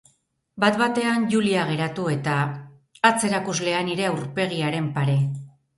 Bat-batean Julia geratu eta, hatz erakuslea nire aurpegiaren pare.